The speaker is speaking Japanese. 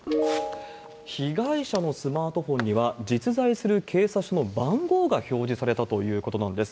被害者のスマートフォンには、実在する警察署の番号が表示されたということなんです。